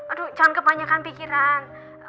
aduh jangan kebanyakan pikiran